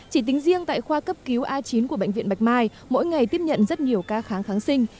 chỉ tính riêng tại khoa cấp cứu a chín của bệnh viện bạch mai mỗi ngày tiếp nhận rất nhiều ca kháng kháng sinh